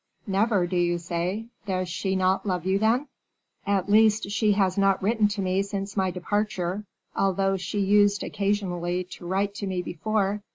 "Never, do you say? Does she not love you, then?" "At least, she has not written to me since my departure, although she used occasionally to write to me before.